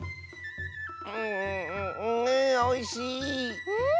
んおいしい！